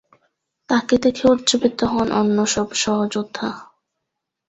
তাকে দেখে উজ্জীবিত হন অন্য সব সহযোদ্ধা।